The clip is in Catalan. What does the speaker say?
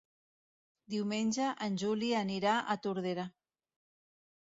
Diumenge en Juli anirà a Tordera.